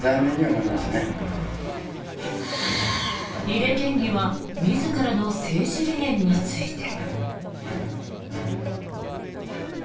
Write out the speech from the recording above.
井手県議は自らの政治理念について。